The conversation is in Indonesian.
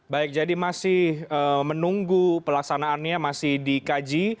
baik jadi masih menunggu pelaksanaannya masih dikaji